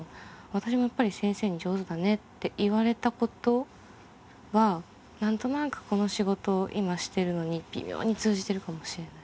私もやっぱり先生に「上手だね」って言われたことは何となくこの仕事を今してるのに微妙に通じてるかもしれない。